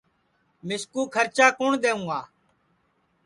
مِسکُو کھرچا کُوٹؔ دؔیوں گا